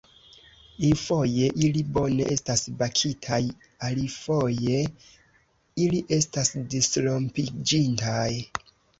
Iufoje ili bone estas bakitaj, alifoje ili estas disrompiĝintaj.